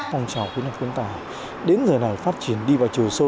học sinh khuyến học khuyến tài đến giờ này phát triển đi vào trường sâu